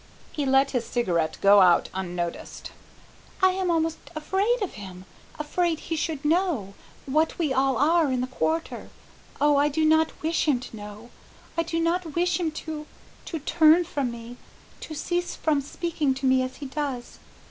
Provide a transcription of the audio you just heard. He let his cigarette go out unnoticed. "I am almost afraid of him afraid he should know what we all are in the Quarter. Oh, I do not wish him to know! I do not wish him to to turn from me to cease from speaking to me as he does!